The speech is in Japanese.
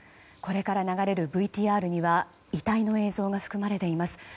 これから流れるＶＴＲには遺体の映像が含まれています。